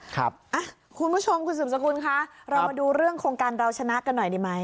คุณผู้ชมคุณสืบสกุลคะเรามาดูเรื่องโครงการเราชนะกันหน่อยดีไหม